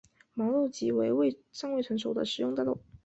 毛豆即为尚未成熟的食用大豆。